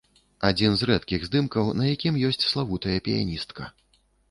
Адзін з рэдкіх здымкаў, на якім ёсць славутая піяністка.